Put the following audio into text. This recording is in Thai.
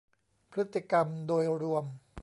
พฤติกรรมโดยรวม